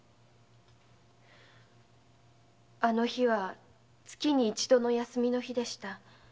あの日は月に一度の休日でした。